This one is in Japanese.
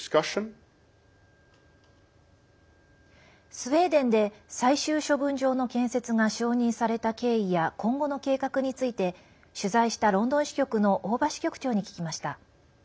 スウェーデンで最終処分場の建設が承認された経緯や今後の計画について取材したロンドン支局の大庭支局長に聞きました。